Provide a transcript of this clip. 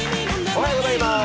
おはようございます。